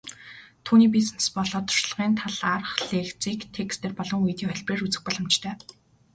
Түүний бизнес болоод туршлагын талаарх лекцийг текстээр болон видео хэлбэрээр үзэх боломжтой.